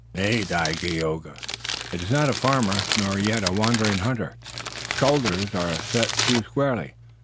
"Nay, Dagaeoga, it is not a farmer, nor yet a wandering hunter. The shoulders are set too squarely.